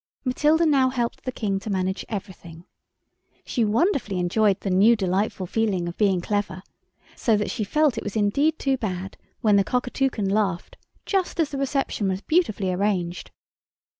Matilda now helped the King to manage everything. She wonderfully enjoyed the new delightful feeling of being clever, so that she felt it was indeed too bad when the Cockatoucan laughed just as the reception was beautifully arranged.